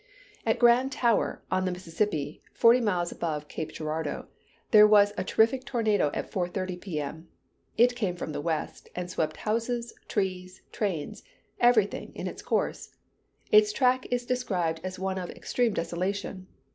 At Grand Tower, on the Mississippi, forty miles above Cape Girardeau, there was a terrific tornado at 4:30 P.M. It came from the west, and swept houses, trees, trains everything, in its course. Its track is described as one of "extreme desolation."